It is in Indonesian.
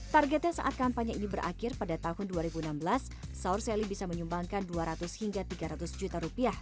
targetnya saat kampanye ini berakhir pada tahun dua ribu enam belas saur selly bisa menyumbangkan dua ratus hingga tiga ratus juta rupiah